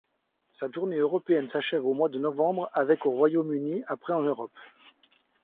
Sa tournée européenne s'achève au mois de novembre avec au Royaume-Uni, après en Europe.